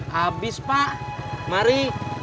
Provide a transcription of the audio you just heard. habis pak mari